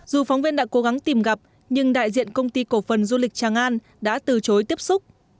dù phóng viên đã cố gắng tìm gặp nhưng đại diện công ty cổ phần du lịch tràng an đã từ chối tiếp xúc